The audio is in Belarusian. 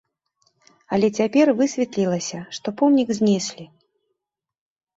Але цяпер высветлілася, што помнік знеслі.